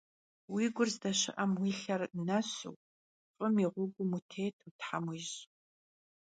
Уи гур здэщыӏэм уи лъэр нэсу, фӏым и гъуэгум утету Тхьэм уищӏ!